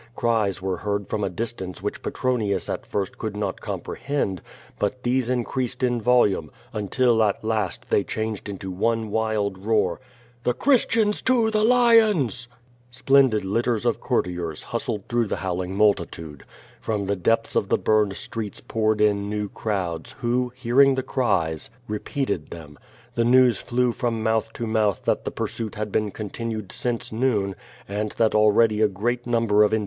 Cries were heard from a distance which Petronius at first could not comprehend, but these increased in volume, until, at last, they changed into one wild roar: "The Christians to the lions!" Splendid litters of courtiers hustled through the howling multitude. From the depths of the burned streets poured in new crowds, who, hearing the cries, repeated them. The news flew from mouth to mouth that the pursuit had been continued since noon and that already a great number of in QUO VADI8.